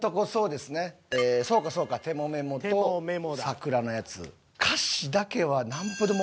ええそうかそうか「テモメモ」と桜のやつ。